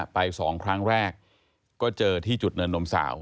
ไป๒ครั้งแรกก็เจอที่จุดเนินนมสาว